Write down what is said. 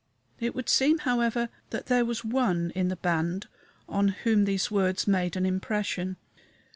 It would seem, however, that there was one in the band on whom these words made an impression.